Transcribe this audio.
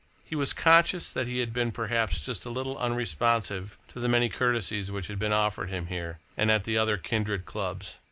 He was conscious that he had been, perhaps, just a little unresponsive to the many courtesies which had been offered him here and at the other kindred clubs.